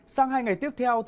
sáng hai ngày tiếp theo